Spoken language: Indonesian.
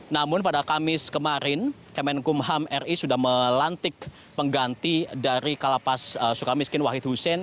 namun pada kamis kemarin kemenkumham ri sudah melantik pengganti dari kalapas suka miskin wahid hussein